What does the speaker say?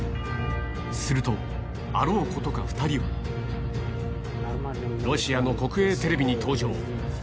すると、あろうことか２人は、ロシアの国営テレビに登場。